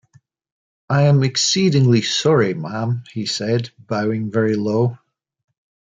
‘I am exceedingly sorry, ma’am,’ he said, bowing very low.